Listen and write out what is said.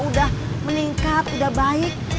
udah meningkat udah baik